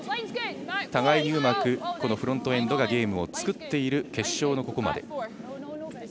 互いにうまくフロントエンドがゲームを作っている決勝のここまで。